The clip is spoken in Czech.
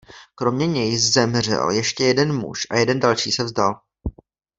Kromě něj zemřel ještě jeden muž a jeden další se vzdal.